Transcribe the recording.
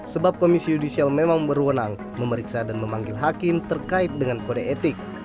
sebab komisi yudisial memang berwenang memeriksa dan memanggil hakim terkait dengan kode etik